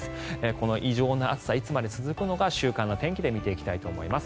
この異常な暑さいつまで続くのか週間の天気で見ていきたいと思います。